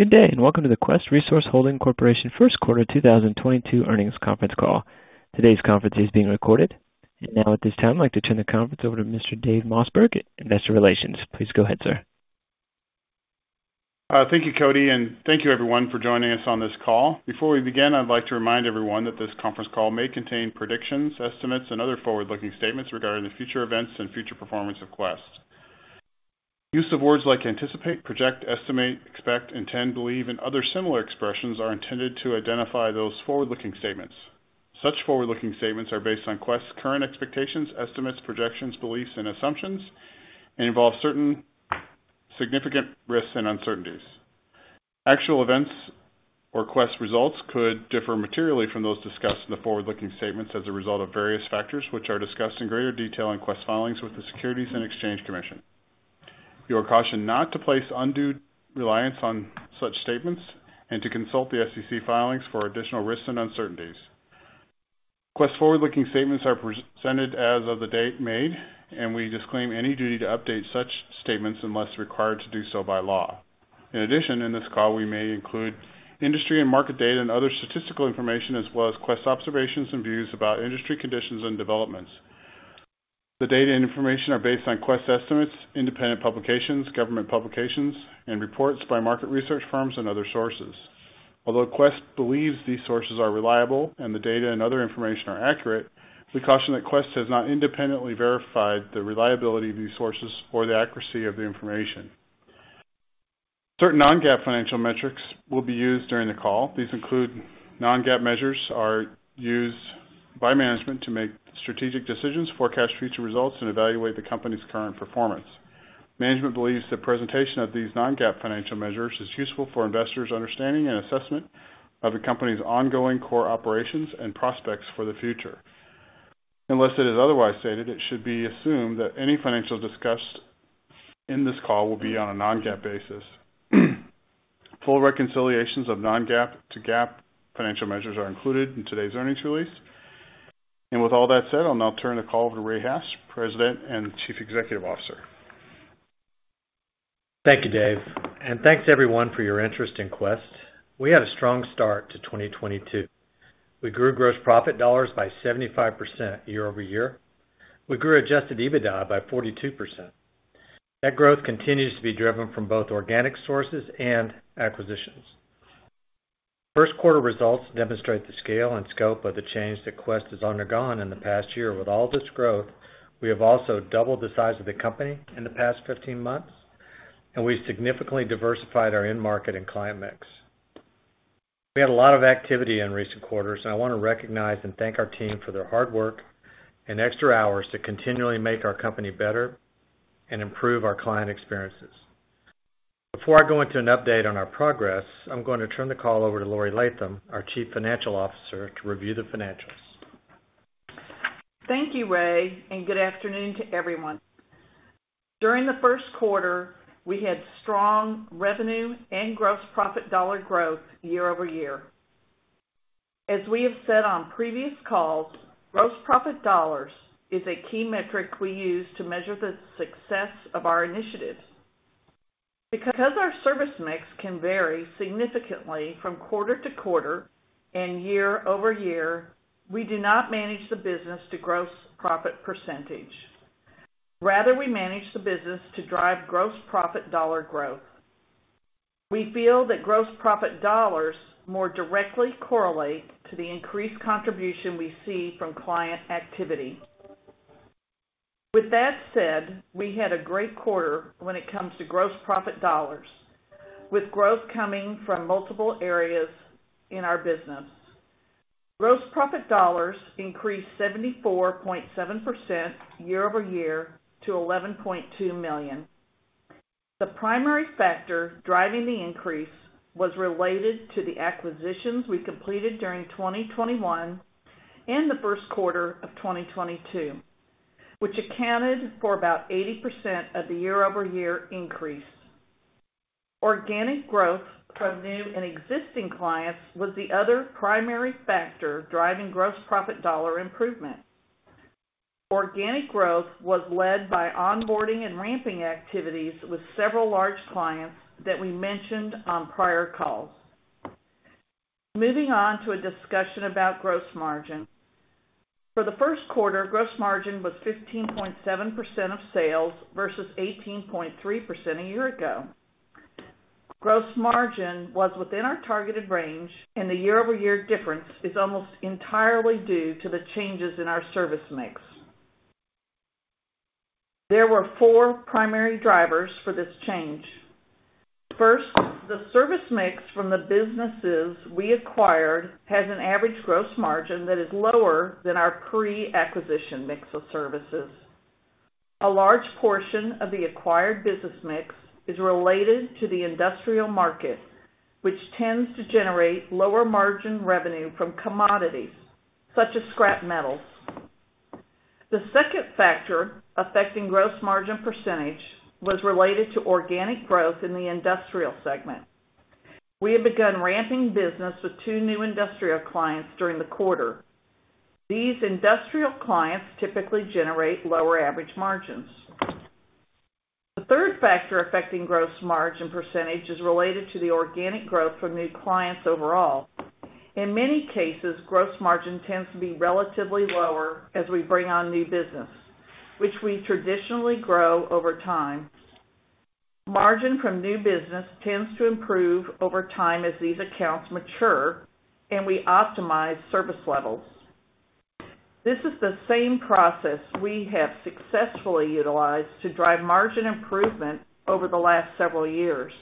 Good day, and welcome to the Quest Resource Holding Corporation first quarter 2022 earnings conference call. Today's conference is being recorded. Now, at this time, I'd like to turn the conference over to Mr. Dave Mossberg, Investor Relations. Please go ahead, sir. Thank you, Cody, and thank you everyone for joining us on this call. Before we begin, I'd like to remind everyone that this conference call may contain predictions, estimates, and other forward-looking statements regarding the future events and future performance of Quest. Use of words like anticipate, project, estimate, expect, intend, believe, and other similar expressions are intended to identify those forward-looking statements. Such forward-looking statements are based on Quest's current expectations, estimates, projections, beliefs, and assumptions, and involve certain significant risks and uncertainties. Actual events or Quest results could differ materially from those discussed in the forward-looking statements as a result of various factors, which are discussed in greater detail in Quest's filings with the Securities and Exchange Commission. You are cautioned not to place undue reliance on such statements and to consult the SEC filings for additional risks and uncertainties. Quest's forward-looking statements are presented as of the date made, and we disclaim any duty to update such statements unless required to do so by law. In addition, in this call, we may include industry and market data and other statistical information, as well as Quest observations and views about industry conditions and developments. The data and information are based on Quest estimates, independent publications, government publications, and reports by market research firms and other sources. Although Quest believes these sources are reliable and the data and other information are accurate, we caution that Quest has not independently verified the reliability of these sources or the accuracy of the information. Certain non-GAAP financial metrics will be used during the call. These include non-GAAP measures are used by management to make strategic decisions, forecast future results, and evaluate the company's current performance. Management believes the presentation of these non-GAAP financial measures is useful for investors' understanding and assessment of the company's ongoing core operations and prospects for the future. Unless it is otherwise stated, it should be assumed that any financial discussed in this call will be on a non-GAAP basis. Full reconciliations of non-GAAP to GAAP financial measures are included in today's earnings release. With all that said, I'll now turn the call over to Ray Hatch, President and Chief Executive Officer. Thank you, Dave, and thanks everyone for your interest in Quest. We had a strong start to 2022. We grew gross profit dollars by 75% year-over-year. We grew adjusted EBITDA by 42%. That growth continues to be driven from both organic sources and acquisitions. First quarter results demonstrate the scale and scope of the change that Quest has undergone in the past year. With all this growth, we have also doubled the size of the company in the past 15 months, and we significantly diversified our end market and client mix. We had a lot of activity in recent quarters, and I wanna recognize and thank our team for their hard work and extra hours to continually make our company better and improve our client experiences. Before I go into an update on our progress, I'm gonna turn the call over to Laurie Latham, our Chief Financial Officer, to review the financials. Thank you, Ray, and good afternoon to everyone. During the first quarter, we had strong revenue and gross profit dollar growth year-over-year. As we have said on previous calls, gross profit dollars is a key metric we use to measure the success of our initiatives. Because our service mix can vary significantly from quarter to quarter and year-over-year, we do not manage the business to gross profit percentage. Rather, we manage the business to drive gross profit dollar growth. We feel that gross profit dollars more directly correlate to the increased contribution we see from client activity. With that said, we had a great quarter when it comes to gross profit dollars, with growth coming from multiple areas in our business. Gross profit dollars increased 74.7% year-over-year to $11.2 million. The primary factor driving the increase was related to the acquisitions we completed during 2021 and the first quarter of 2022, which accounted for about 80% of the year-over-year increase. Organic growth from new and existing clients was the other primary factor driving gross profit dollar improvement. Organic growth was led by onboarding and ramping activities with several large clients that we mentioned on prior calls. Moving on to a discussion about gross margin. For the first quarter, gross margin was 15.7% of sales versus 18.3% a year ago. Gross margin was within our targeted range, and the year-over-year difference is almost entirely due to the changes in our service mix. There were four primary drivers for this change. First, the service mix from the businesses we acquired has an average gross margin that is lower than our pre-acquisition mix of services. A large portion of the acquired business mix is related to the industrial market, which tends to generate lower margin revenue from commodities, such as scrap metals. The second factor affecting gross margin percentage was related to organic growth in the industrial segment. We have begun ramping business with two new industrial clients during the quarter. These industrial clients typically generate lower average margins. The third factor affecting gross margin percentage is related to the organic growth from new clients overall. In many cases, gross margin tends to be relatively lower as we bring on new business, which we traditionally grow over time. Margin from new business tends to improve over time as these accounts mature and we optimize service levels. This is the same process we have successfully utilized to drive margin improvement over the last several years.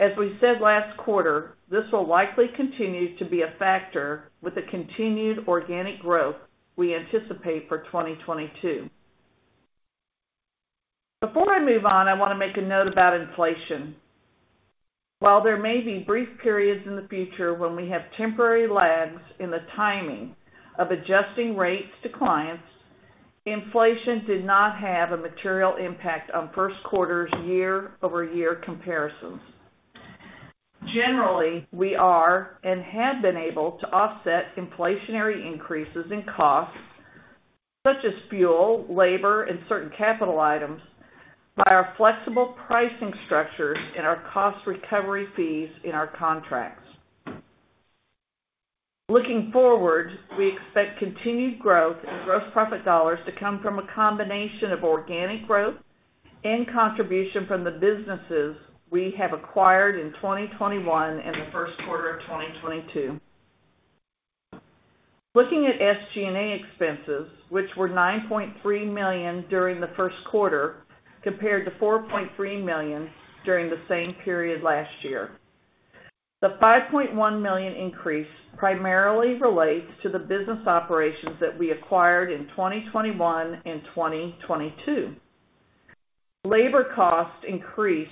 As we said last quarter, this will likely continue to be a factor with the continued organic growth we anticipate for 2022. Before I move on, I wanna make a note about inflation. While there may be brief periods in the future when we have temporary lags in the timing of adjusting rates to clients, inflation did not have a material impact on first quarter's year-over-year comparisons. Generally, we are and had been able to offset inflationary increases in costs, such as fuel, labor, and certain capital items, by our flexible pricing structures and our cost recovery fees in our contracts. Looking forward, we expect continued growth in gross profit dollars to come from a combination of organic growth and contribution from the businesses we have acquired in 2021 and the first quarter of 2022. Looking at SG&A expenses, which were $9.3 million during the first quarter compared to $4.3 million during the same period last year. The $5.1 million increase primarily relates to the business operations that we acquired in 2021 and 2022. Labor costs increased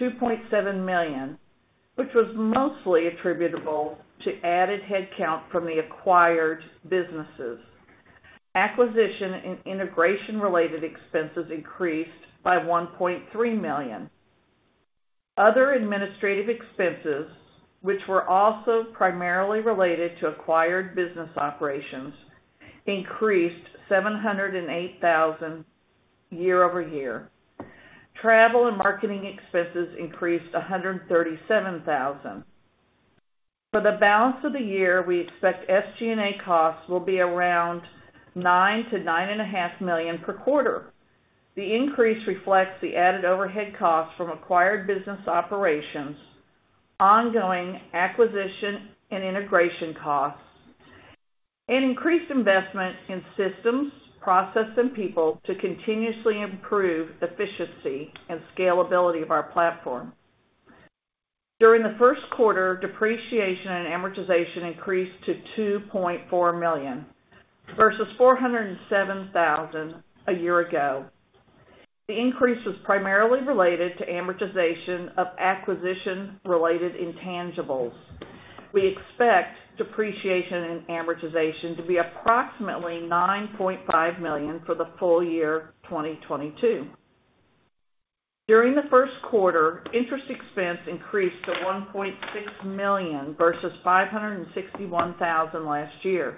$2.7 million, which was mostly attributable to added headcount from the acquired businesses. Acquisition and integration-related expenses increased by $1.3 million. Other administrative expenses, which were also primarily related to acquired business operations, increased $708 thousand year-over-year. Travel and marketing expenses increased $137 thousand. For the balance of the year, we expect SG&A costs will be around $9 million-$9.5 million per quarter. The increase reflects the added overhead costs from acquired business operations, ongoing acquisition and integration costs, and increased investment in systems, process, and people to continuously improve the efficiency and scalability of our platform. During the first quarter, depreciation and amortization increased to $2.4 million, versus $407,000 a year ago. The increase was primarily related to amortization of acquisition-related intangibles. We expect depreciation and amortization to be approximately $9.5 million for the full year 2022. During the first quarter, interest expense increased to $1.6 million versus $561,000 last year.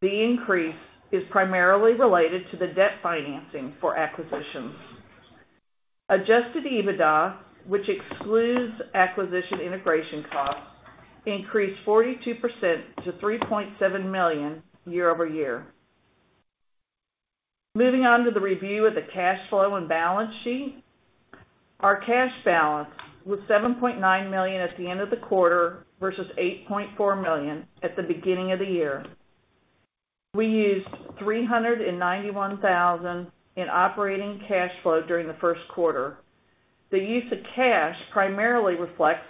The increase is primarily related to the debt financing for acquisitions. Adjusted EBITDA, which excludes acquisition integration costs, increased 42% to $3.7 million year-over-year. Moving on to the review of the cash flow and balance sheet. Our cash balance was $7.9 million at the end of the quarter versus $8.4 million at the beginning of the year. We used $391,000 in operating cash flow during the first quarter. The use of cash primarily reflects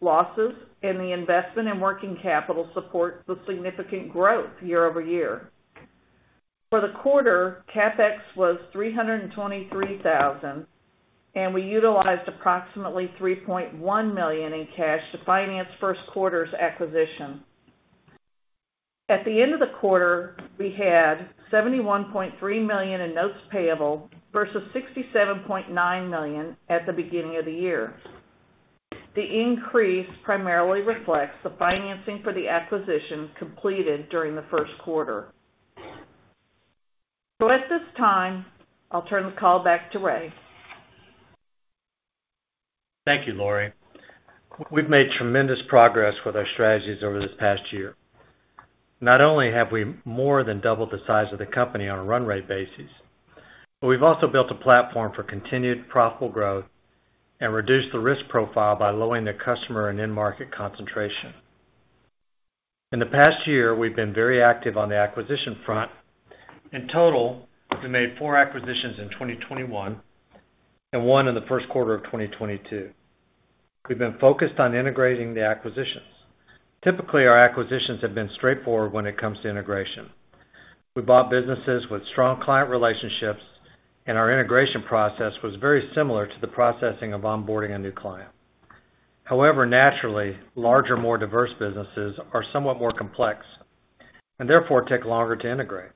losses in the investment and working capital support, with significant growth year-over-year. For the quarter, CapEx was $323,000, and we utilized approximately $3.1 million in cash to finance first quarter's acquisition. At the end of the quarter, we had $71.3 million in notes payable versus $67.9 million at the beginning of the year. The increase primarily reflects the financing for the acquisitions completed during the first quarter. At this time, I'll turn the call back to Ray. Thank you, Laurie. We've made tremendous progress with our strategies over this past year. Not only have we more than doubled the size of the company on a run rate basis, but we've also built a platform for continued profitable growth and reduced the risk profile by lowering the customer and end market concentration. In the past year, we've been very active on the acquisition front. In total, we made four acquisitions in 2021 and one in the first quarter of 2022. We've been focused on integrating the acquisitions. Typically, our acquisitions have been straightforward when it comes to integration. We bought businesses with strong client relationships, and our integration process was very similar to the process of onboarding a new client. However, naturally, larger, more diverse businesses are somewhat more complex and therefore take longer to integrate.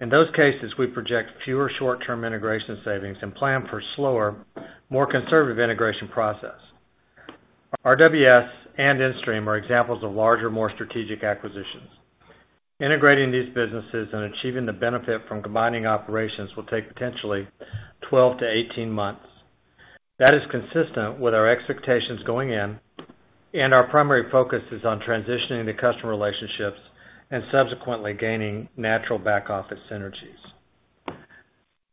In those cases, we project fewer short-term integration savings and plan for a slower, more conservative integration process. RWS and InStream are examples of larger, more strategic acquisitions. Integrating these businesses and achieving the benefit from combining operations will take potentially 12-18 months. That is consistent with our expectations going in, and our primary focus is on transitioning the customer relationships and subsequently gaining natural back-office synergies.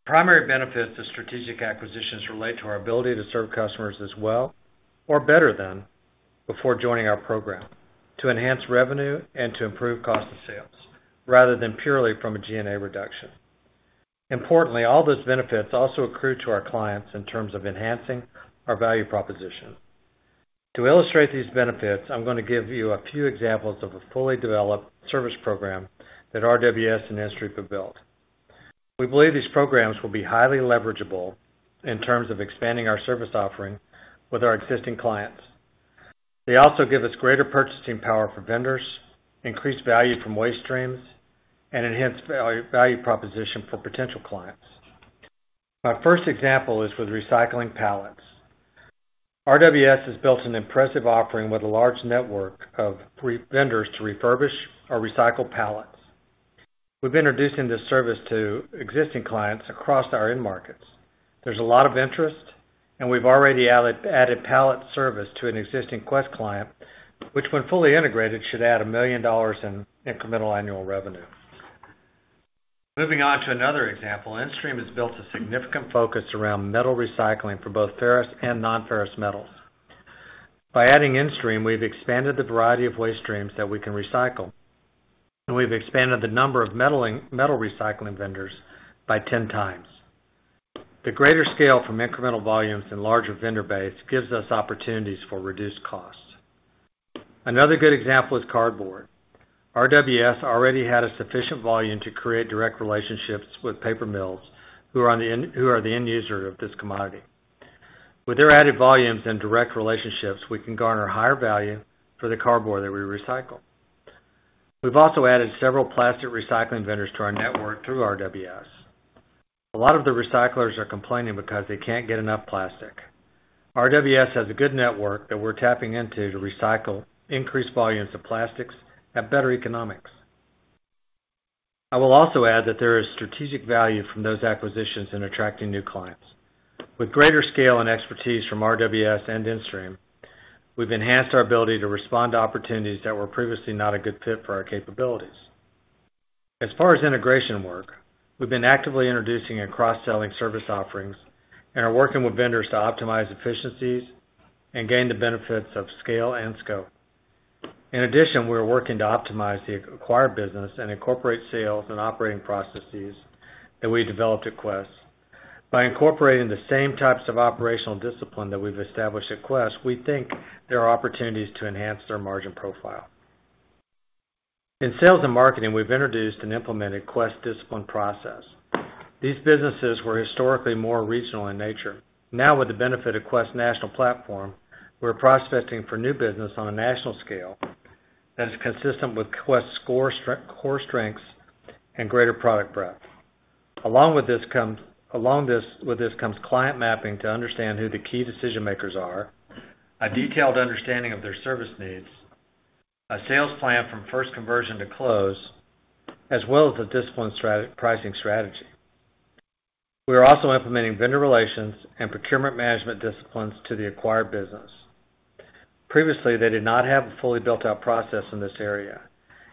Primary benefits to strategic acquisitions relate to our ability to serve customers as well or better than before joining our program to enhance revenue and to improve cost of sales, rather than purely from a G&A reduction. Importantly, all those benefits also accrue to our clients in terms of enhancing our value proposition. To illustrate these benefits, I'm gonna give you a few examples of a fully developed service program that RWS and InStream have built. We believe these programs will be highly leverageable in terms of expanding our service offering with our existing clients. They also give us greater purchasing power for vendors, increased value from waste streams, and enhanced value proposition for potential clients. My first example is with recycling pallets. RWS has built an impressive offering with a large network of re-vendors to refurbish or recycle pallets. We've been introducing this service to existing clients across our end markets. There's a lot of interest, and we've already added pallet service to an existing Quest client, which, when fully integrated, should add $1 million in incremental annual revenue. Moving on to another example. InStream has built a significant focus around metal recycling for both ferrous and non-ferrous metals. By adding InStream, we've expanded the variety of waste streams that we can recycle, and we've expanded the number of metal recycling vendors by 10 times. The greater scale from incremental volumes and larger vendor base gives us opportunities for reduced costs. Another good example is cardboard. RWS already had a sufficient volume to create direct relationships with paper mills, who are the end user of this commodity. With their added volumes and direct relationships, we can garner higher value for the cardboard that we recycle. We've also added several plastic recycling vendors to our network through RWS. A lot of the recyclers are complaining because they can't get enough plastic. RWS has a good network that we're tapping into to recycle increased volumes of plastics at better economics. I will also add that there is strategic value from those acquisitions in attracting new clients. With greater scale and expertise from RWS and InStream, we've enhanced our ability to respond to opportunities that were previously not a good fit for our capabilities. As far as integration work, we've been actively introducing and cross-selling service offerings and are working with vendors to optimize efficiencies and gain the benefits of scale and scope. In addition, we are working to optimize the acquired business and incorporate sales and operating processes that we developed at Quest. By incorporating the same types of operational discipline that we've established at Quest, we think there are opportunities to enhance their margin profile. In sales and marketing, we've introduced and implemented Quest discipline process. These businesses were historically more regional in nature. Now, with the benefit of Quest's national platform, we're prospecting for new business on a national scale that is consistent with Quest's core strengths and greater product breadth. Client mapping to understand who the key decision-makers are, a detailed understanding of their service needs, a sales plan from first conversion to close, as well as a disciplined pricing strategy. We are also implementing vendor relations and procurement management disciplines to the acquired business. Previously, they did not have a fully built-out process in this area.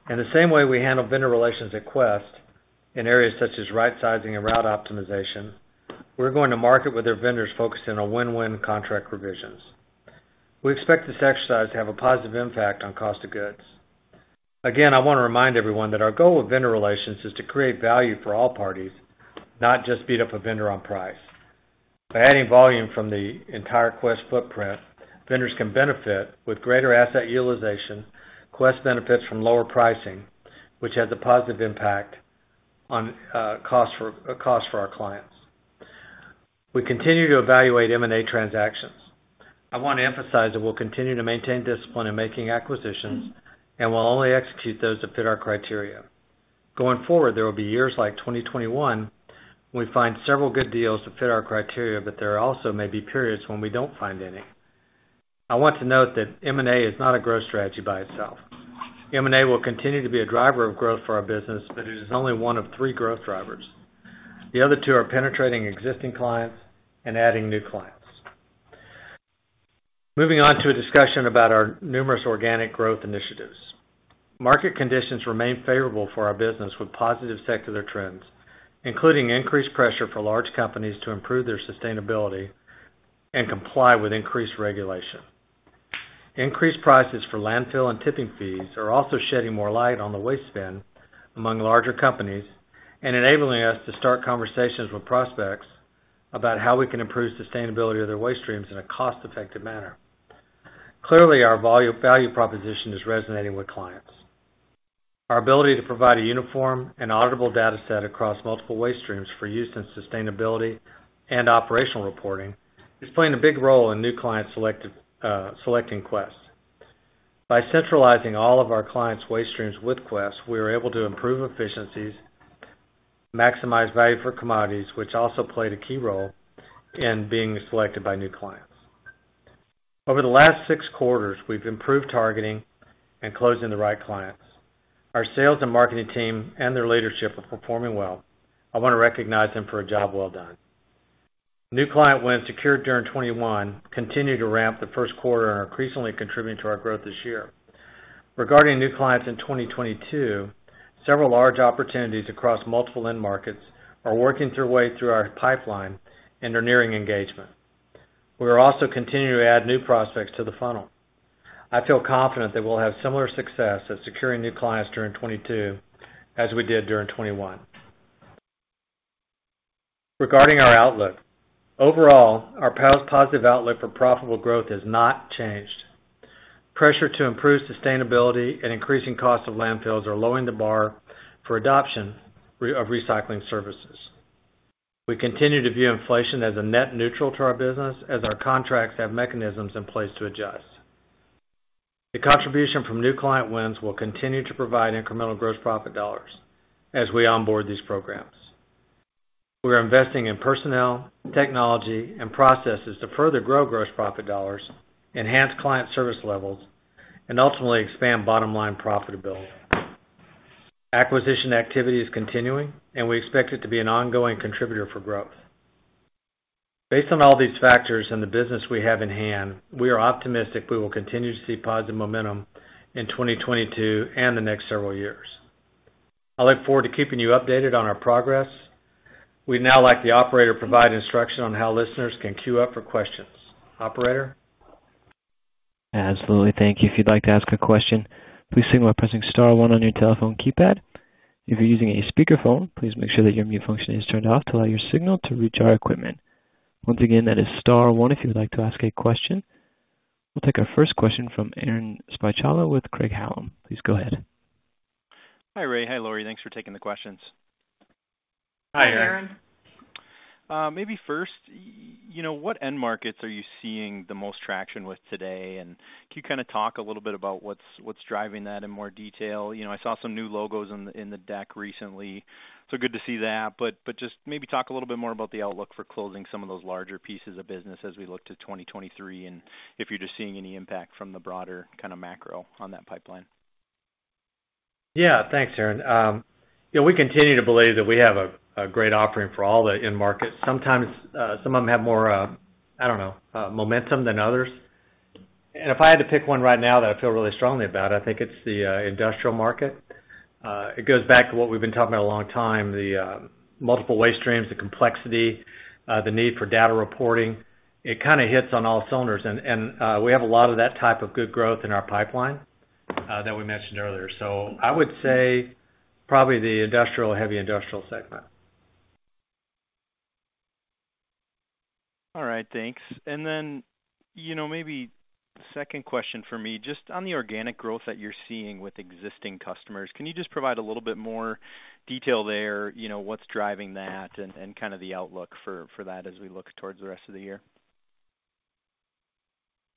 In the same way we handle vendor relations at Quest in areas such as right sizing and route optimization, we're going to market with their vendors focused on a win-win contract revisions. We expect this exercise to have a positive impact on cost of goods. Again, I wanna remind everyone that our goal with vendor relations is to create value for all parties, not just beat up a vendor on price. By adding volume from the entire Quest footprint, vendors can benefit with greater asset utilization. Quest benefits from lower pricing, which has a positive impact on cost for our clients. We continue to evaluate M&A transactions. I want to emphasize that we'll continue to maintain discipline in making acquisitions, and we'll only execute those that fit our criteria. Going forward, there will be years like 2021 when we find several good deals that fit our criteria, but there also may be periods when we don't find any. I want to note that M&A is not a growth strategy by itself. M&A will continue to be a driver of growth for our business, but it is only one of three growth drivers. The other two are penetrating existing clients and adding new clients. Moving on to a discussion about our numerous organic growth initiatives. Market conditions remain favorable for our business with positive secular trends, including increased pressure for large companies to improve their sustainability and comply with increased regulation. Increased prices for landfill and tipping fees are also shedding more light on the waste spend among larger companies and enabling us to start conversations with prospects about how we can improve sustainability of their waste streams in a cost-effective manner. Clearly, our value proposition is resonating with clients. Our ability to provide a uniform and auditable data set across multiple waste streams for use in sustainability and operational reporting is playing a big role in new clients selecting Quest. By centralizing all of our clients' waste streams with Quest, we are able to improve efficiencies, maximize value for commodities, which also played a key role in being selected by new clients. Over the last six quarters, we've improved targeting and closing the right clients. Our sales and marketing team and their leadership are performing well. I want to recognize them for a job well done. New client wins secured during 2021 continue to ramp the first quarter and are increasingly contributing to our growth this year. Regarding new clients in 2022, several large opportunities across multiple end markets are working their way through our pipeline and are nearing engagement. We are also continuing to add new prospects to the funnel. I feel confident that we'll have similar success of securing new clients during 2022 as we did during 2021. Regarding our outlook. Overall, our positive outlook for profitable growth has not changed. Pressure to improve sustainability and increasing costs of landfills are lowering the bar for adoption of recycling services. We continue to view inflation as a net neutral to our business, as our contracts have mechanisms in place to adjust. The contribution from new client wins will continue to provide incremental gross profit dollars as we onboard these programs. We're investing in personnel, technology, and processes to further grow gross profit dollars, enhance client service levels, and ultimately expand bottom-line profitability. Acquisition activity is continuing, and we expect it to be an ongoing contributor for growth. Based on all these factors and the business we have in-hand, we are optimistic we will continue to see positive momentum in 2022 and the next several years. I look forward to keeping you updated on our progress. We'd now like the Operator to provide instruction on how listeners can queue up for questions. Operator? Absolutely. Thank you. If you'd like to ask a question, please signal by pressing star one on your telephone keypad. If you're using a speakerphone, please make sure that your mute function is turned off to allow your signal to reach our equipment. Once again, that is star one if you would like to ask a question. We'll take our first question from Aaron Spychalla with Craig-Hallum. Please go ahead. Hi, Ray. Hi, Laurie. Thanks for taking the questions. Hi, Aaron. Hi, Aaron. Maybe first, you know, what end markets are you seeing the most traction with today? Can you kind of talk a little bit about what's driving that in more detail? You know, I saw some new logos in the deck recently, so good to see that. Just maybe talk a little bit more about the outlook for closing some of those larger pieces of business as we look to 2023, and if you're just seeing any impact from the broader kind of macro on that pipeline. Yeah. Thanks, Aaron. You know, we continue to believe that we have a great offering for all the end markets. Sometimes, some of them have more, I don't know, momentum than others. If I had to pick one right now that I feel really strongly about, I think it's the industrial market. It goes back to what we've been talking about a long time, the multiple waste streams, the complexity, the need for data reporting. It kind of hits on all cylinders and we have a lot of that type of good growth in our pipeline that we mentioned earlier. I would say probably the industrial, heavy industrial segment. All right. Thanks. You know, maybe second question for me, just on the organic growth that you're seeing with existing customers, can you just provide a little bit more detail there, you know, what's driving that and kind of the outlook for that as we look towards the rest of the year?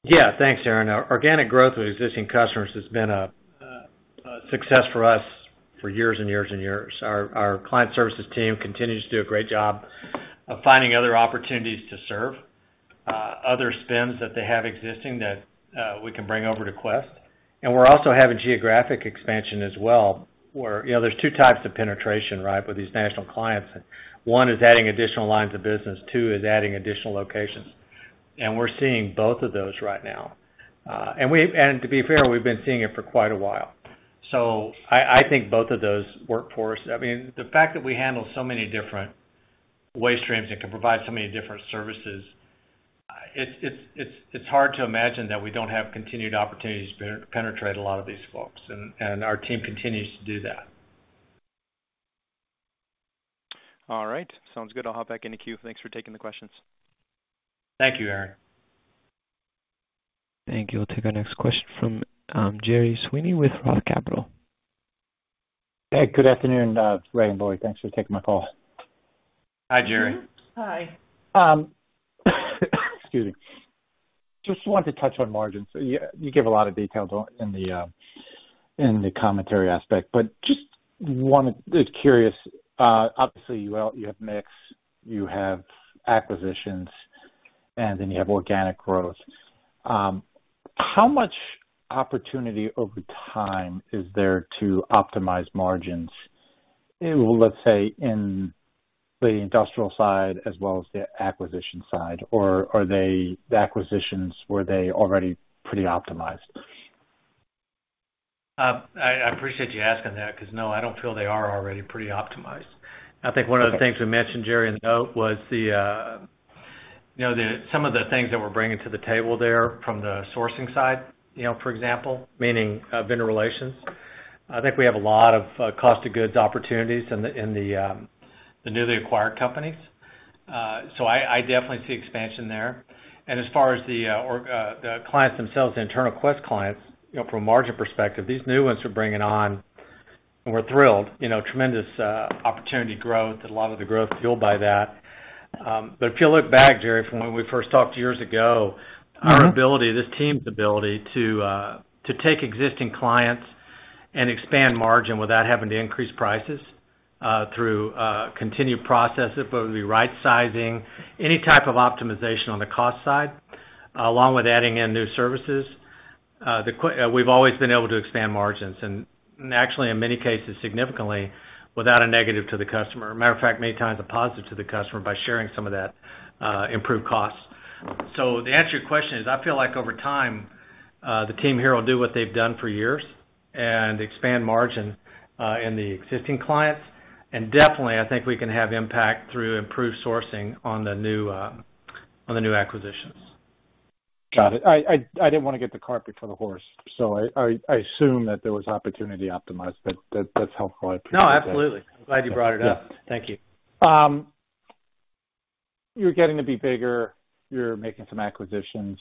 Yeah. Thanks, Aaron. Organic growth with existing customers has been a success for us for years and years and years. Our client services team continues to do a great job of finding other opportunities to serve other spends that they have existing that we can bring over to Quest. We're also having geographic expansion as well. You know, there's two types of penetration, right, with these national clients. One is adding additional lines of business, two is adding additional locations. We're seeing both of those right now. To be fair, we've been seeing it for quite a while. I think both of those work for us. I mean, the fact that we handle so many different waste streams and can provide so many different services, it's hard to imagine that we don't have continued opportunities to penetrate a lot of these folks, and our team continues to do that. All right. Sounds good. I'll hop back in the queue. Thanks for taking the questions. Thank you, Aaron. Thank you. We'll take our next question from Gerry Sweeney with Roth Capital. Hey. Good afternoon, Ray and Laurie. Thanks for taking my call. Hi, Gerry. Hi. Excuse me. Just wanted to touch on margins. You gave a lot of details on, in the, in the commentary aspect, but just wanted. Just curious, obviously, you all have mix, you have acquisitions, and then you have organic growth. How much opportunity over time is there to optimize margins, let's say, in the industrial side as well as the acquisition side? Or are they. The acquisitions, were they already pretty optimized? I appreciate you asking that because, no, I don't feel they are already pretty optimized. Okay. I think one of the things we mentioned, Gerry, in the note was some of the things that we're bringing to the table there from the sourcing side, you know, for example, vendor relations. I think we have a lot of cost of goods opportunities in the newly acquired companies. I definitely see expansion there. As far as the org, the clients themselves, the internal Quest clients, you know, from a margin perspective, these new ones we're bringing on. We're thrilled, you know, tremendous opportunity growth, a lot of the growth fueled by that. If you look back, Gerry, from when we first talked years ago. Mm-hmm our ability, this team's ability to take existing clients and expand margin without having to increase prices, through continued process, whether it be right sizing, any type of optimization on the cost side, along with adding in new services, we've always been able to expand margins. Actually, in many cases, significantly, without a negative to the customer. Matter of fact, many times a positive to the customer by sharing some of that improved costs. To answer your question is, I feel like over time, the team here will do what they've done for years and expand margin in the existing clients. Definitely, I think we can have impact through improved sourcing on the new acquisitions. Got it. I didn't wanna get the cart before the horse, so I assume that there was opportunity to optimize. That's helpful. I appreciate that. No, absolutely. I'm glad you brought it up. Yeah. Thank you. You're getting to be bigger. You're making some acquisitions.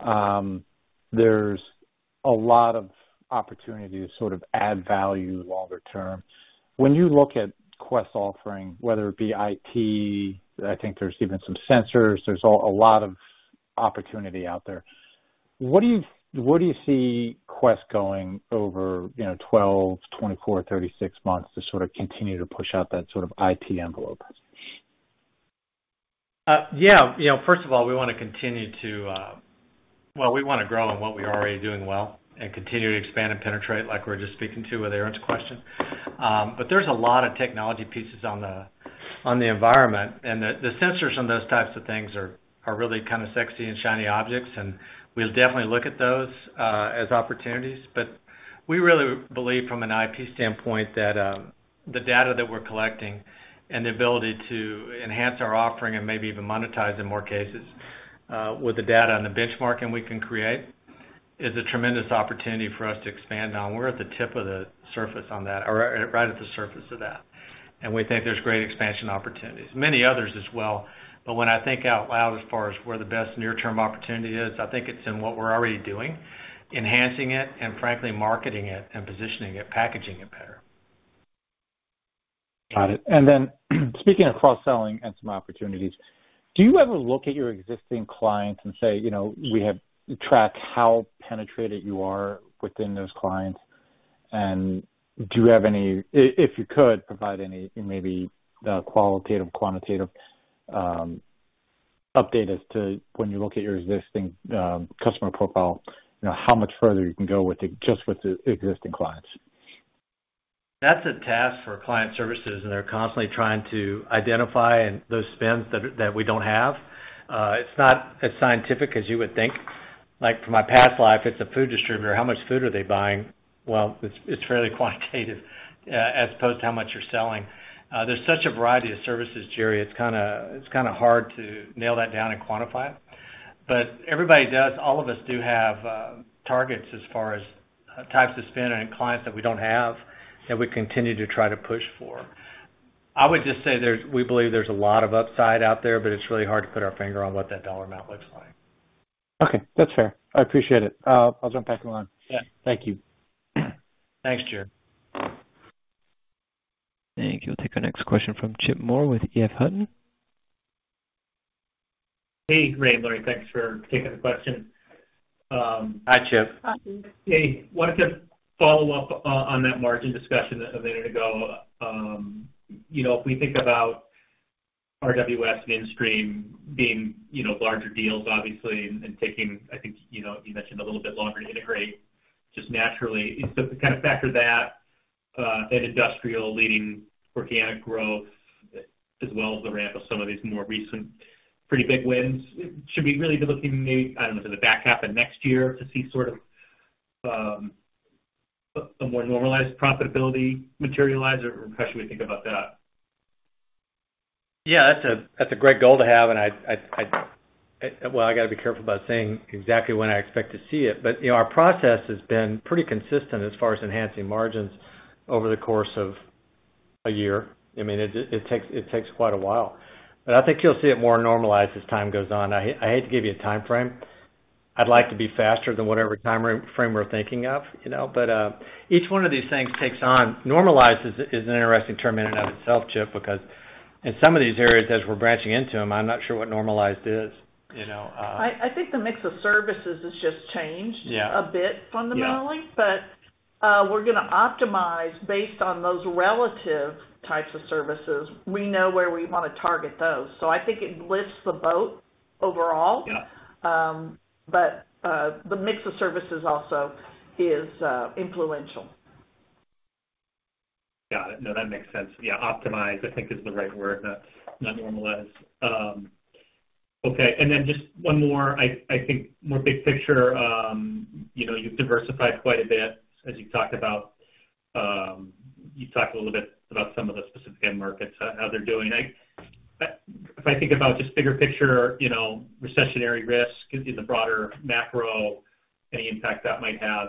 There's a lot of opportunity to sort of add value longer term. When you look at Quest offering, whether it be IT, I think there's even some sensors, there's a lot of opportunity out there. What do you see Quest going over, you know, 12, 24, 36 months to sort of continue to push out that sort of IT envelope? Yeah. You know, first of all, we wanna grow on what we are already doing well and continue to expand and penetrate like we're just speaking to with Aaron's question. There's a lot of technology pieces on the environment, and the sensors on those types of things are really kind of sexy and shiny objects, and we'll definitely look at those as opportunities. We really believe from an IP standpoint that the data that we're collecting and the ability to enhance our offering and maybe even monetize in more cases with the data and the benchmarking we can create is a tremendous opportunity for us to expand on. We're at the tip of the surface on that, or right at the surface of that, and we think there's great expansion opportunities. Many others as well. When I think out loud as far as where the best near term opportunity is, I think it's in what we're already doing, enhancing it, and frankly, marketing it and positioning it, packaging it better. Got it. Speaking of cross-selling and some opportunities, do you ever look at your existing clients and say, you know, we have tracked how penetrated you are within those clients, and do you have any, if you could provide any, maybe, qualitative, quantitative, update as to how you look at your existing customer profile, you know, how much further you can go with them, just with the existing clients? That's a task for client services, and they're constantly trying to identify those spends that we don't have. It's not as scientific as you would think. Like from my past life, it's a food distributor. How much food are they buying? Well, it's fairly quantitative as opposed to how much you're selling. There's such a variety of services, Gerry. It's kinda hard to nail that down and quantify it. But everybody does, all of us do have targets as far as types of spend and clients that we don't have that we continue to try to push for. I would just say we believe there's a lot of upside out there, but it's really hard to put our finger on what that dollar amount looks like. Okay. That's fair. I appreciate it. I'll jump back in line. Yeah. Thank you. Thanks, Gerry. Thank you. We'll take our next question from Chip Moore with EF Hutton. Hey, Ray and Laurie. Thanks for taking the question. Hi, Chip. Hi. Hey. Wanted to follow up on that margin discussion a minute ago. You know, if we think about RWS and InStream being, you know, larger deals, obviously, and taking, I think, you know, you mentioned a little bit longer to integrate just naturally. To kind of factor that, and industry-leading organic growth as well as the ramp of some of these more recent pretty big wins, should we really be looking maybe, I don't know, to the back half of next year to see sort of some more normalized profitability materialize? Or how should we think about that? Yeah, that's a great goal to have. I'd... Well, I gotta be careful about saying exactly when I expect to see it, but, you know, our process has been pretty consistent as far as enhancing margins over the course of a year. I mean, it takes quite a while. I think you'll see it more normalized as time goes on. I hate to give you a timeframe. I'd like to be faster than whatever timeframe we're thinking of, you know? Each one of these things takes on. Normalized is an interesting term in and of itself, Chip, because in some of these areas, as we're branching into them, I'm not sure what normalized is, you know. I think the mix of services has just changed. Yeah A bit fundamentally. Yeah. We're gonna optimize based on those relative types of services. We know where we wanna target those. I think it lifts the boat overall. Yeah. The mix of services also is influential. Got it. No, that makes sense. Yeah, optimize, I think is the right word, not normalize. Okay. Then just one more, I think more big picture. You know, you've diversified quite a bit as you talked about. You talked a little bit about some of the specific end markets, how they're doing. If I think about just bigger picture, you know, recessionary risk in the broader macro, any impact that might have,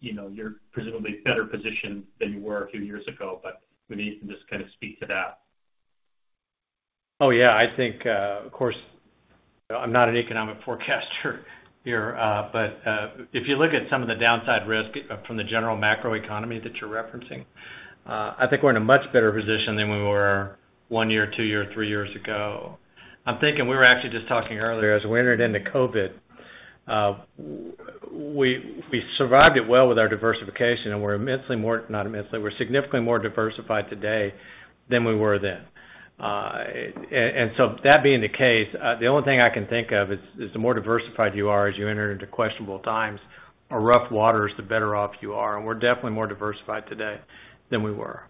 you know, you're presumably better positioned than you were a few years ago, but maybe you can just kinda speak to that. Oh, yeah, I think, of course, I'm not an economic forecaster here. If you look at some of the downside risk from the general macro economy that you're referencing, I think we're in a much better position than we were one year, two year, three years ago. I'm thinking we were actually just talking earlier as we entered into COVID, we survived it well with our diversification, and we're immensely more not immensely, we're significantly more diversified today than we were then. So that being the case, the only thing I can think of is the more diversified you are as you enter into questionable times or rough waters, the better off you are. We're definitely more diversified today than we were.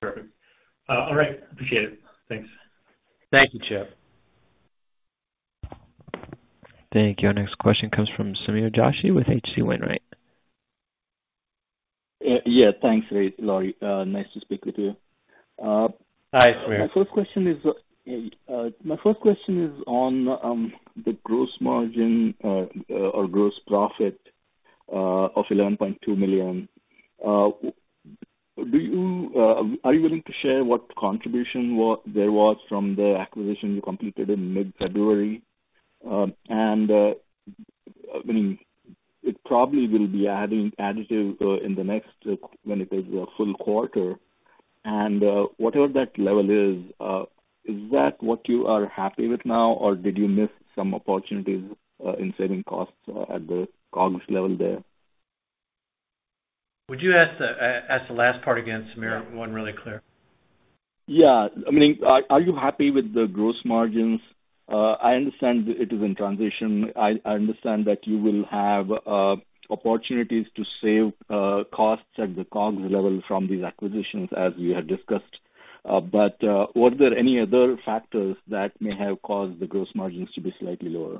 Perfect. All right. Appreciate it. Thanks. Thank you, Chip. Thank you. Our next question comes from Sameer Joshi with H.C. Wainwright. Yeah, thanks, Laurie. Nice to speak with you. Hi, Sameer. My first question is on the gross margin or gross profit of $11.2 million. Are you willing to share what contribution there was from the acquisition you completed in mid-February? I mean, it probably will be adding additive in the next when it is a full quarter and whatever that level is that what you are happy with now, or did you miss some opportunities in saving costs at the COGS level there? Would you ask the last part again, Sameer? It wasn't really clear. Yeah. I mean, are you happy with the gross margins? I understand it is in transition. I understand that you will have opportunities to save costs at the COGS level from these acquisitions, as we had discussed. Were there any other factors that may have caused the gross margins to be slightly lower?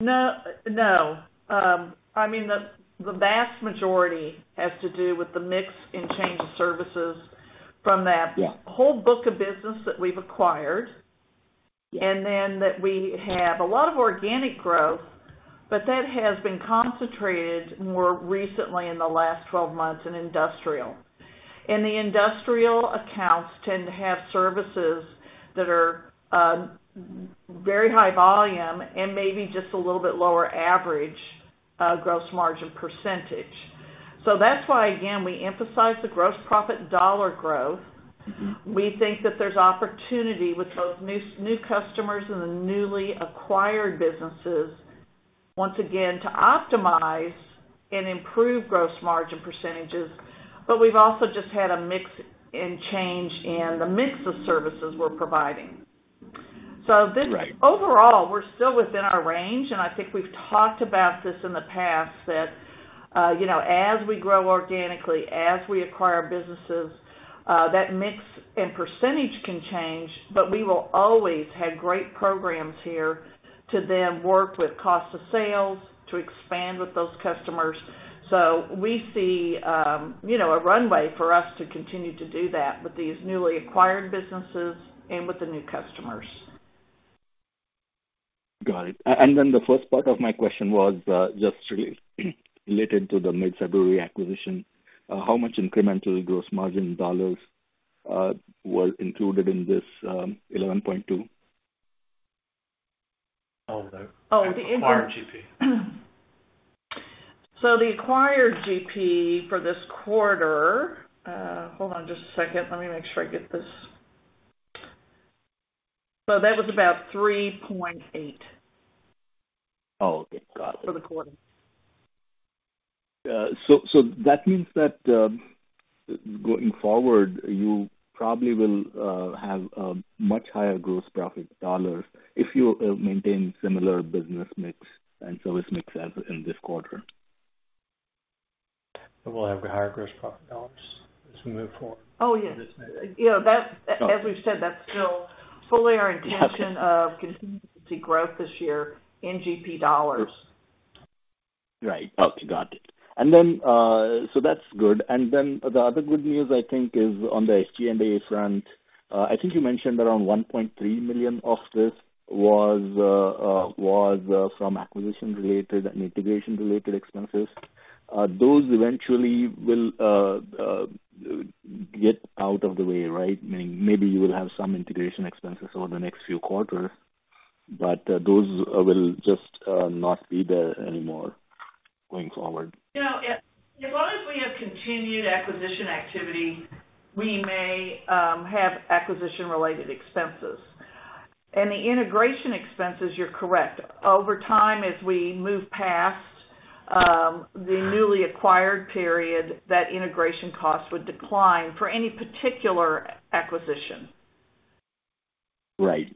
No, no. I mean, the vast majority has to do with the mix and change of services from that. Yeah. Whole book of business that we've acquired. Then that we have a lot of organic growth, but that has been concentrated more recently in the last 12 months in industrial. The industrial accounts tend to have services that are very high volume and maybe just a little bit lower average gross margin percentage. That's why, again, we emphasize the gross profit dollar growth. Mm-hmm. We think that there's opportunity with both new customers and the newly acquired businesses, once again, to optimize and improve gross margin percentages. We've also just had a mix and change in the mix of services we're providing. Right. Overall, we're still within our range, and I think we've talked about this in the past, that, you know, as we grow organically, as we acquire businesses, that mix and percentage can change, but we will always have great programs here to then work with cost of sales to expand with those customers. We see, you know, a runway for us to continue to do that with these newly acquired businesses and with the new customers. Got it. The first part of my question was just related to the mid-February acquisition. How much incremental gross margin dollars were included in this $11.2? Oh. Oh, the inter- acquired GP. The acquired GP for this quarter, hold on just a second. Let me make sure I get this. That was about 3.8. Oh, okay. Got it. For the quarter. That means that going forward, you probably will have a much higher gross profit dollars if you maintain similar business mix and service mix as in this quarter. We'll have higher gross profit dollars as we move forward. Oh, yes. Just saying. You know, that's. Got it. As we've said, that's still fully our intention of continuing to see growth this year in GP dollars. Right. Okay, got it. That's good. The other good news, I think, is on the SG&A front. I think you mentioned around $1.3 million of this was from acquisition-related and integration-related expenses. Those eventually will get out of the way, right? Meaning maybe you will have some integration expenses over the next few quarters, but those will just not be there anymore going forward. You know, as long as we have continued acquisition activity, we may have acquisition-related expenses. The integration expenses, you're correct. Over time, as we move past the newly acquired period, that integration cost would decline for any particular acquisition. Right.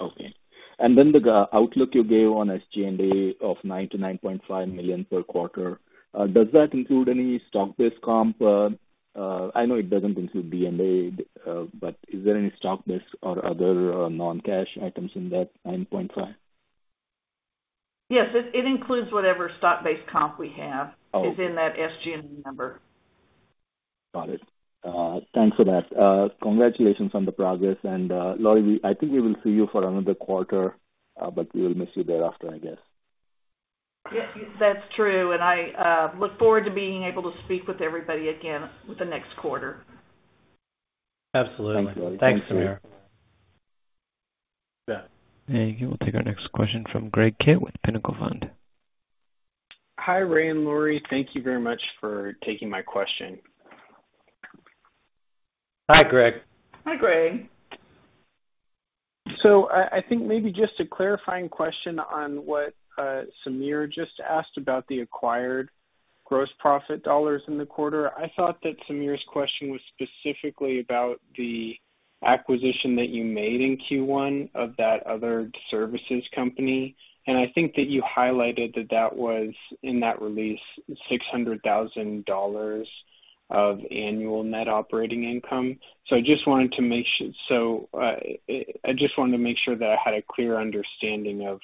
Okay. The outlook you gave on SG&A of $9-$9.5 million per quarter, does that include any stock-based comp? I know it doesn't include D&A, but is there any stock-based or other non-cash items in that 9.5? Yes. It includes whatever stock-based comp we have. Oh, okay. is in that SG&A number. Got it. Thanks for that. Congratulations on the progress. Laurie, I think we will see you for another quarter, but we will miss you thereafter, I guess. Yeah, that's true, and I look forward to being able to speak with everybody again the next quarter. Absolutely. Thanks, Laurie. Thanks, Sameer. Yeah. We'll take our next question from Greg Kitt with Pinnacle Fund. Hi, Ray and Laurie. Thank you very much for taking my question. Hi, Greg. Hi, Greg. I think maybe just a clarifying question on what Sameer just asked about the acquired gross profit dollars in the quarter. I thought that Sameer's question was specifically about the acquisition that you made in Q1 of that other services company. I think that you highlighted that that was, in that release, $600,000 of annual net operating income. I just wanted to make sure that I had a clear understanding of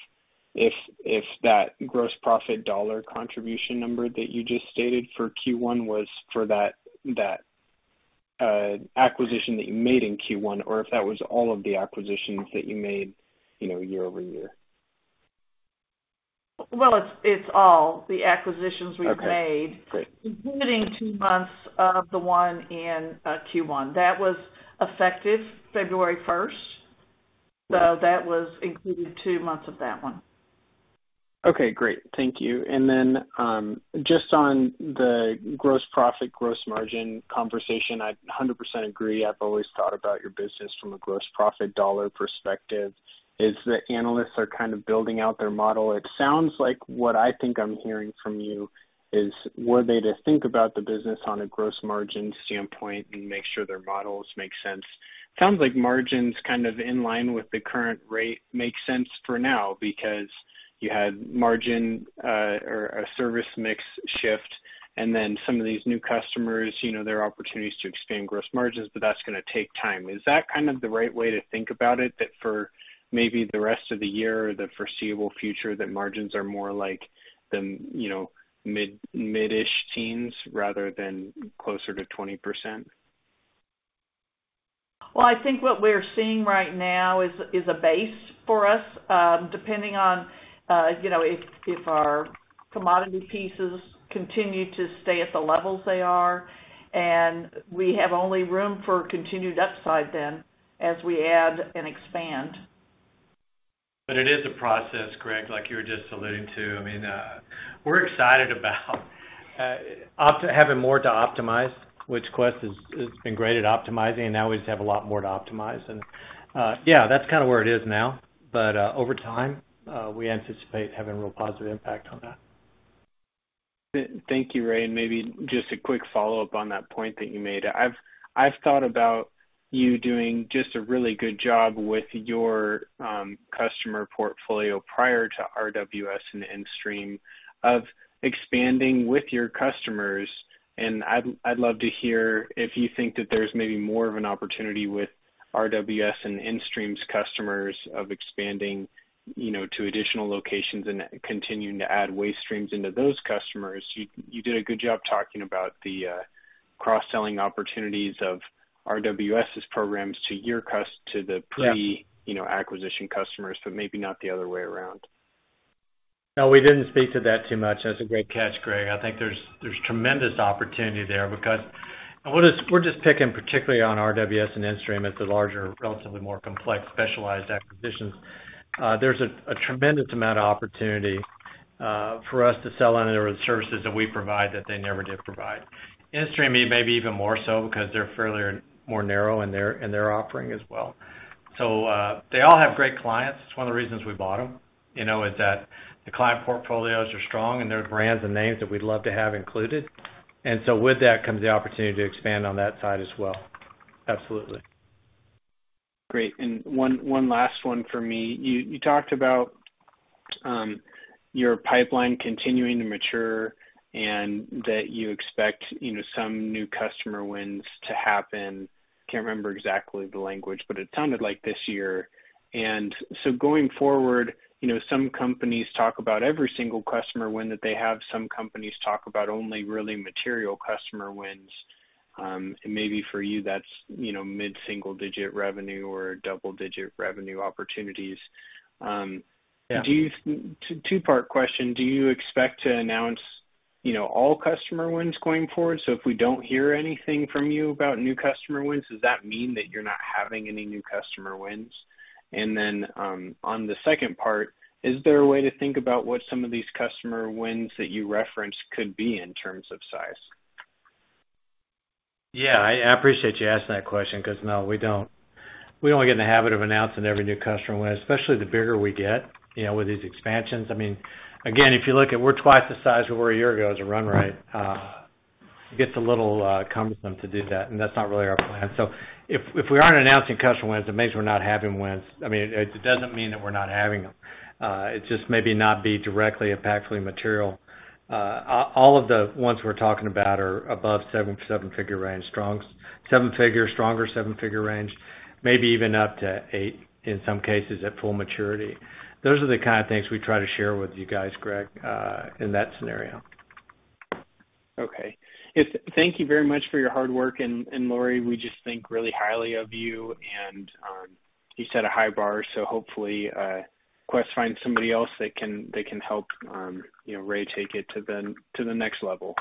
if that gross profit dollar contribution number that you just stated for Q1 was for that acquisition that you made in Q1, or if that was all of the acquisitions that you made, you know, year-over-year. Well, it's all the acquisitions we've made. Okay, great. including two months of the one in Q1. That was effective February first. That was included two months of that one. Okay, great. Thank you. Just on the gross profit, gross margin conversation, I 100% agree. I've always thought about your business from a gross profit dollar perspective. As the analysts are kind of building out their model, it sounds like what I think I'm hearing from you is, were they to think about the business on a gross margin standpoint and make sure their models make sense, sounds like margin's kind of in line with the current rate makes sense for now because you had margin, or a service mix shift, and then some of these new customers, you know, there are opportunities to expand gross margins, but that's gonna take time. Is that kind of the right way to think about it? That for maybe the rest of the year or the foreseeable future, that margins are more like the, you know, mid-mid-ish teens rather than closer to 20%? Well, I think what we're seeing right now is a base for us, depending on, you know, if our commodity pieces continue to stay at the levels they are, and we have only room for continued upside then as we add and expand. It is a process, Greg, like you were just alluding to. I mean, we're excited about having more to optimize, which Quest has been great at optimizing, and now we just have a lot more to optimize. Yeah, that's kind of where it is now. Over time, we anticipate having a real positive impact on that. Thank you, Ray. Maybe just a quick follow-up on that point that you made. I've thought about you doing just a really good job with your customer portfolio prior to RWS and InStream of expanding with your customers, and I'd love to hear if you think that there's maybe more of an opportunity with RWS and InStream's customers of expanding, you know, to additional locations and continuing to add waste streams into those customers. You did a good job talking about the cross-selling opportunities of RWS's programs to your customers. Yeah You know, acquisition customers, but maybe not the other way around. No, we didn't speak to that too much. That's a great catch, Greg. I think there's tremendous opportunity there because we're just picking particularly on RWS and InStream as the larger, relatively more complex specialized acquisitions. There's a tremendous amount of opportunity for us to sell any other services that we provide that they never did provide. InStream, maybe even more so because they're fairly more narrow in their offering as well. They all have great clients. It's one of the reasons we bought them, you know, is that the client portfolios are strong and they're brands and names that we'd love to have included. With that comes the opportunity to expand on that side as well. Absolutely. Great. One last one for me. You talked about your pipeline continuing to mature and that you expect, you know, some new customer wins to happen. Can't remember exactly the language, but it sounded like this year. Going forward, you know, some companies talk about every single customer win that they have. Some companies talk about only really material customer wins. Maybe for you, that's, you know, mid-single digit revenue or double-digit revenue opportunities. Yeah. Two-part question. Do you expect to announce, you know, all customer wins going forward? If we don't hear anything from you about new customer wins, does that mean that you're not having any new customer wins? On the second part, is there a way to think about what some of these customer wins that you referenced could be in terms of size? Yeah. I appreciate you asking that question because no, we don't. We don't get in the habit of announcing every new customer win, especially the bigger we get, you know, with these expansions. I mean, again, if you look at, we're twice the size we were a year ago as a run rate, it gets a little cumbersome to do that, and that's not really our plan. If we aren't announcing customer wins, it means we're not having wins. I mean, it doesn't mean that we're not having them. It's just maybe not be directly impactfully material. All of the ones we're talking about are above seven-figure range, stronger seven-figure range, maybe even up to eight in some cases at full maturity. Those are the kind of things we try to share with you guys, Greg, in that scenario. Okay. Thank you very much for your hard work. Laurie, we just think really highly of you and you set a high bar, so hopefully Quest finds somebody else that can help, you know, Ray take it to the next level.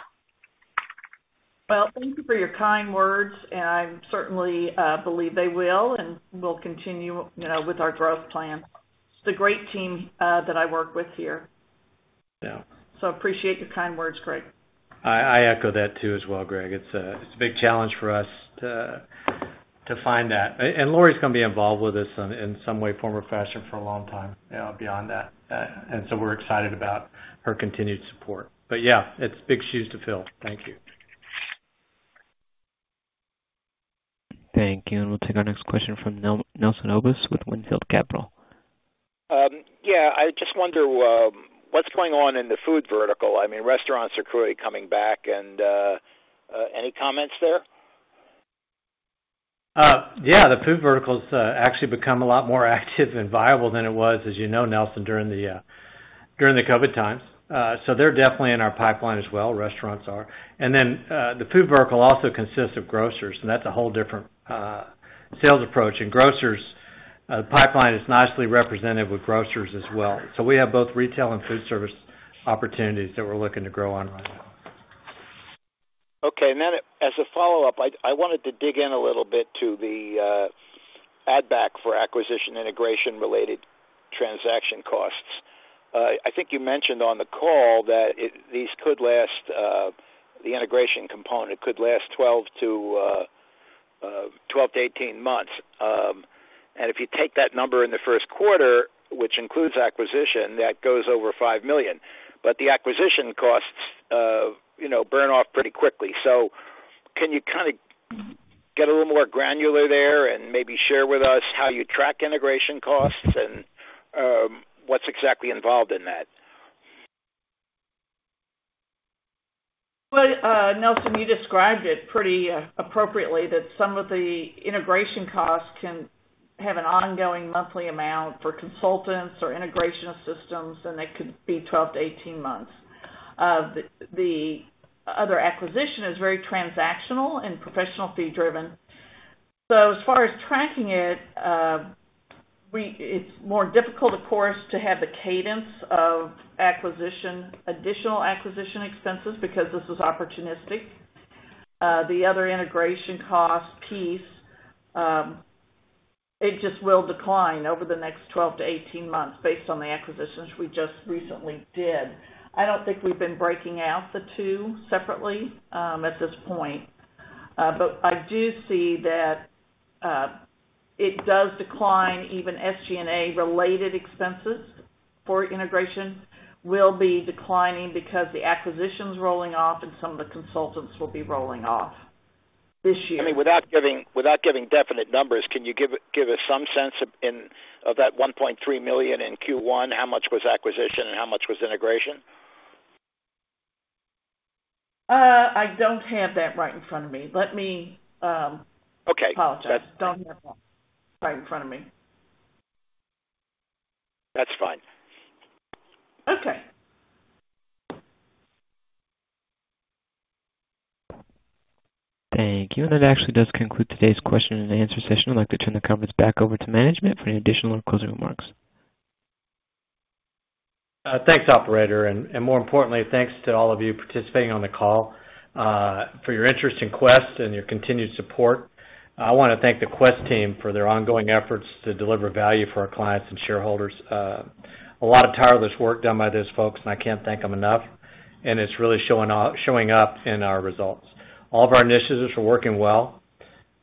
Well, thank you for your kind words, and I certainly believe they will, and we'll continue, you know, with our growth plan. It's a great team that I work with here. Yeah. Appreciate your kind words, Greg. I echo that too as well, Greg. It's a big challenge for us to find that. Laurie's gonna be involved with us in some way, form or fashion for a long time beyond that. We're excited about her continued support. Yeah, it's big shoes to fill. Thank you. Thank you. We'll take our next question from Nelson Obus with Wynnefield Capital. Yeah. I just wonder, what's going on in the food vertical. I mean, restaurants are clearly coming back and any comments there? Yeah, the food vertical's actually become a lot more active and viable than it was, as you know, Nelson, during the COVID times. They're definitely in our pipeline as well, restaurants are. The food vertical also consists of grocers, and that's a whole different sales approach. Grocers, the pipeline is nicely represented with grocers as well. We have both retail and food service opportunities that we're looking to grow on right now. Okay. As a follow-up, I wanted to dig in a little bit to the add back for acquisition integration-related transaction costs. I think you mentioned on the call that these could last, the integration component could last 12-18 months. And if you take that number in the first quarter, which includes acquisition, that goes over $5 million. The acquisition costs, you know, burn off pretty quickly. Can you kinda get a little more granular there and maybe share with us how you track integration costs and, what's exactly involved in that? Well, Nelson, you described it pretty appropriately, that some of the integration costs can have an ongoing monthly amount for consultants or integration of systems, and they could be 12-18 months. The other acquisition is very transactional and professional fee driven. As far as tracking it's more difficult, of course, to have the cadence of acquisition, additional acquisition expenses because this is opportunistic. The other integration cost piece, it just will decline over the next 12-18 months based on the acquisitions we just recently did. I don't think we've been breaking out the two separately, at this point. I do see that, it does decline, even SG&A related expenses for integration will be declining because the acquisition's rolling off and some of the consultants will be rolling off this year. I mean, without giving definite numbers, can you give us some sense of that $1.3 million in Q1, how much was acquisition and how much was integration? I don't have that right in front of me. Okay. Apologize. Don't have that right in front of me. That's fine. Okay. Thank you. That actually does conclude today's question and answer session. I'd like to turn the conference back over to management for any additional closing remarks. Thanks, Operator. More importantly, thanks to all of you participating on the call for your interest in Quest and your continued support. I wanna thank the Quest team for their ongoing efforts to deliver value for our clients and shareholders. A lot of tireless work done by those folks, and I can't thank them enough, and it's really showing up in our results. All of our initiatives are working well.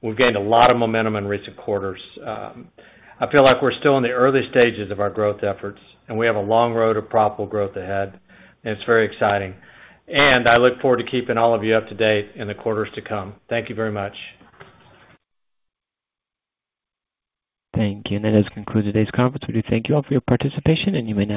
We've gained a lot of momentum in recent quarters. I feel like we're still in the early stages of our growth efforts, and we have a long road of profitable growth ahead, and it's very exciting. I look forward to keeping all of you up to date in the quarters to come. Thank you very much. Thank you. That does conclude today's conference. We do thank you all for your participation, and you may now disconnect.